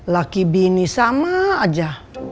laki bini sama aja